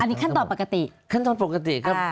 อันนี้ขั้นตอนปกติขั้นตอนปกติครับ